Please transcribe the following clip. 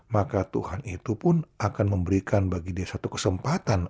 maka tuhan itu pun akan memberikan bagi dia satu kesempatan